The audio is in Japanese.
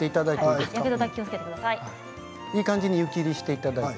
いい感じに湯切りしていただいて。